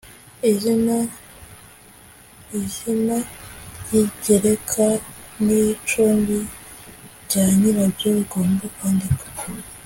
izina izina ry ingereka n icumbi bya nyirabyo bigomba kwandikwa